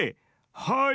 「はい。